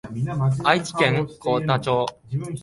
愛知県幸田町